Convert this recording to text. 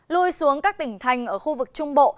lui xuống các tỉnh thành ở khu vực trung bộ